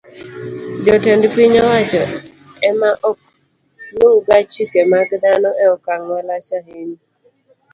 Jotend piny owacho e ma ok luwga chike mag dhano e okang' malach ahinya.